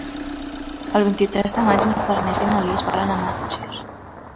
El vint-i-tres de maig na Farners i na Lis volen anar a Ger.